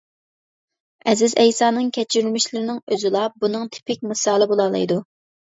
ئەزىز ئەيسانىڭ كەچۈرمىشلىرىنىڭ ئوزىلا بۇنىڭ تىپىك مىسالى بولالايدۇ.